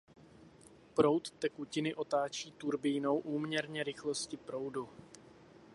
Proud tekutiny otáčí turbínou úměrně rychlosti proudu.